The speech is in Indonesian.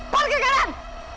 pergi ke kanan